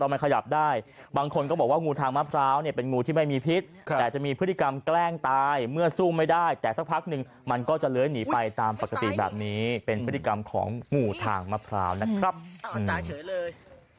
เนียนเนียนเป็นงูทางมะพร้าวที่ไม่มีพิษและจะมีพฤติกรรมแกล้งตายเมื่อฟักสักครั้งนึงมันแจ้งเหนียนไปที่ภาคภาคแบบนี้